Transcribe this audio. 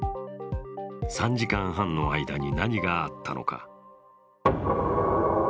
３時間半の間に何があったのか。